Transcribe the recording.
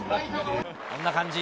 こんな感じ。